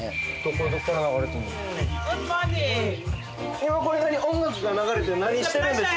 今これ音楽が流れて何してるんですか？